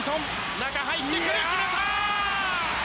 中に入ってくる、決めた！